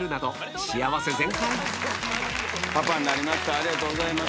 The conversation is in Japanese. ありがとうございます。